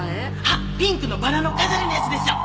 あっピンクのバラの飾りのやつでしょ？